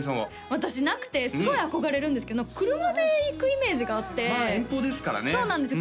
私なくてすごい憧れるんですけど車で行くイメージがあってまあ遠方ですからねそうなんですよ